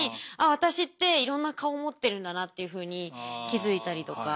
私っていろんな顔を持ってるんだなっていうふうに気付いたりとか。